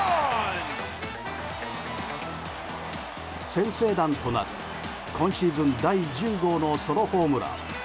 先制弾となる、今シーズン第１０号のソロホームラン。